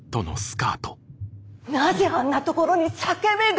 なぜあんなところに裂け目が！